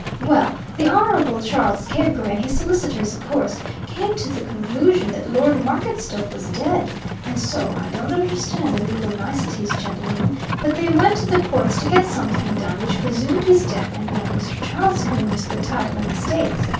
Well, the Honourable Charles Cave Gray, and his solicitors, of course, came to the conclusion that Lord Marketstoke was dead, and so I don't understand the legal niceties, gentlemen, but they went to the courts to get something done which presumed his death and let Mr. Charles come into the title and estates.